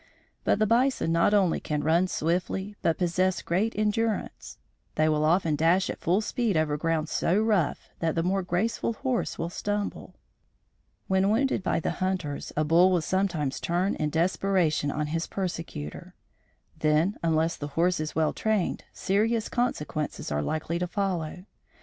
But the bison not only can run swiftly, but possesses great endurance. They will often dash at full speed over ground so rough that the more graceful horse will stumble. When wounded by the hunters, a bull will sometimes turn in desperation on his persecutor. Then, unless the horse is well trained, serious consequences are likely to follow.